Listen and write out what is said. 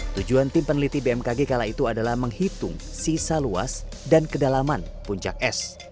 tujuan tim peneliti bmkg kala itu adalah menghitung sisa luas dan kedalaman puncak es